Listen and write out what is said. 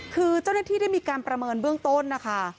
คือเจ้าหน้าที่ได้มีการประเมินเบื้องต้นนะคะ